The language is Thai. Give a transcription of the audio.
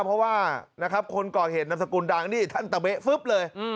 เพราะว่านะครับคนก่อเหตุนำสกุลดังนี่ท่านตะเว๊ฟึ๊บเลย